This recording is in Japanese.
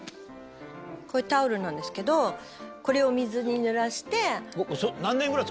こういうタオルなんですけどこれを水にぬらして。